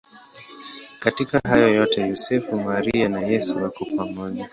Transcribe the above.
Katika hayo yote Yosefu, Maria na Yesu wako pamoja.